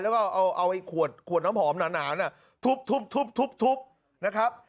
แล้วก็เอาขวดน้ำหอมหนานทุบนะครับ